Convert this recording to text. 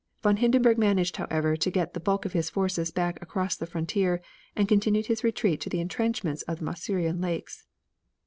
Von Hindenburg managed, however, to get the bulk of his forces back across the frontier and continued his retreat to the intrenchments on the Masurian Lakes.